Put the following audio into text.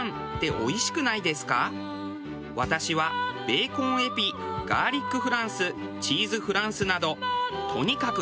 私はベーコンエピガーリックフランスチーズフランスなどとにかく硬いパンが大好きです。